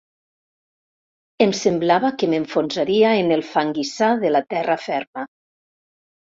Em semblava que m'enfonsaria en el fanguissar de la terra ferma.